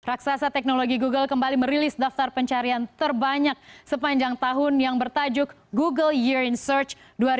raksasa teknologi google kembali merilis daftar pencarian terbanyak sepanjang tahun yang bertajuk google year in search dua ribu dua puluh